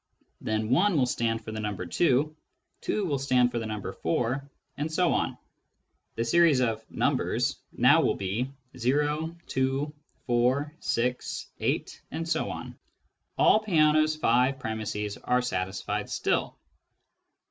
Then " 1 " will stand for the number two, " 2 " will stand for the number four, and so on ; the series of " numbers " now will be o, two, four, six, eight ... All Peano's five premisses are satisfied still.